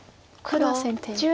これは先手です。